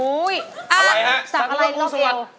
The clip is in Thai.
อุ๊ยสักอะไรรอบเอวสักอะไรรอบเอว